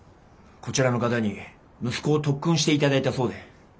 こちらの方に息子を特訓して頂いたそうで。